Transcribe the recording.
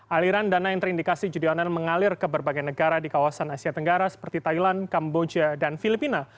aliran dana yang terindikasi judi online mengalir ke berbagai negara di kawasan asia tenggara seperti thailand kamboja dan filipina